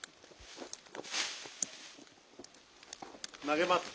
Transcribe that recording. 投げます。